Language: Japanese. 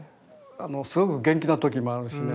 すごく元気な時もあるしね